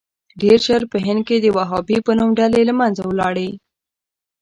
ډېر ژر په هند کې د وهابي په نوم ډلې له منځه ولاړې.